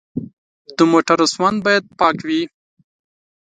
د موټر سوند باید پاک وي.